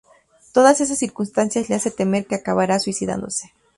Todas estas circunstancias le hace temer que acabará suicidándose.